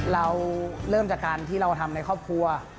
เราเริ่มจากการที่เราทำในครอบครัว